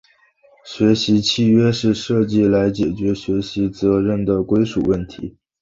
学习契约是设计来解决学习责任的归属问题。